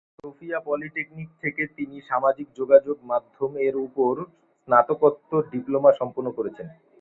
Sophia polytechnic থেকে তিনি সামাজিক যোগাযোগ মাধ্যম এর উপর স্নাতকোত্তর ডিপ্লোমা সম্পন্ন করেছেন।